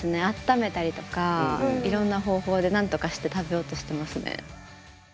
あっためたりとかいろんな方法でなんとかして食べようとしてますね。